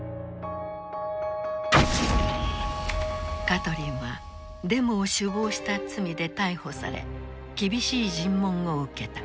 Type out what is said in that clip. カトリンはデモを首謀した罪で逮捕され厳しい尋問を受けた。